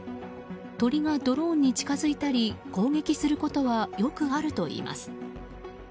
鳥がドローンに近づいたり攻撃することはよくあるといいます。